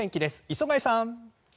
磯貝さん！